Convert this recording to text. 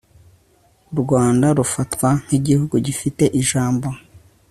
u rwanda rufatwa nk'igihugu gifite ijambo